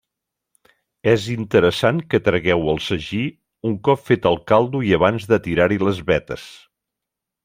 És interessant que tragueu el sagí un cop fet el caldo i abans de tirar-hi les vetes.